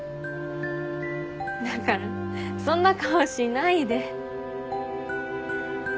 だからそんな顔しないで。